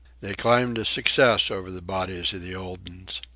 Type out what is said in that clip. They climbed to success over the bodies of the old uns.